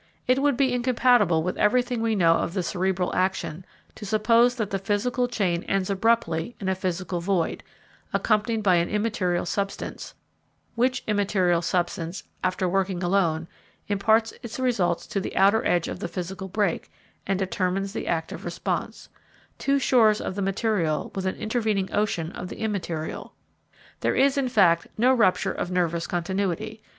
It would be incompatible with everything we know of the cerebral action, to suppose that the physical chain ends abruptly in a physical void, occupied by an immaterial substance; which immaterial substance, after working alone, imparts its results to the other edge of the physical break, and determines the active response two shores of the material with an intervening ocean of the immaterial. There is, in fact, no rupture of nervous continuity.